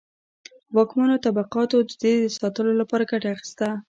واکمنو طبقاتو د دې د ساتلو لپاره ګټه اخیسته.